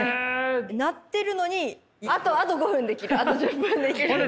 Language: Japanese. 鳴ってるのに「あと５分できるあと１０分できる」みたいな。